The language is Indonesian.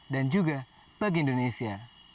dan juga bagi indonesia